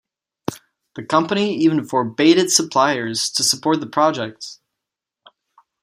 The company even forbade its suppliers to support the project.